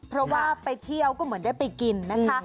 เพราะว่าไปเที่ยวก็เหมือนได้ไปกินนะคะ